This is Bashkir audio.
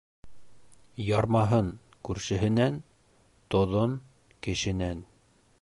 Ярмаһын күршеһенән, тоҙон кешенән.